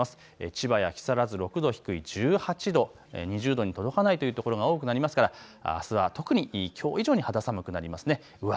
千葉や木更津、６度低い１８度、２０度に届かないというところが多くなりますから、あすは特にきょう以上に肌寒くなります。